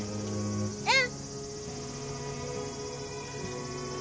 うん！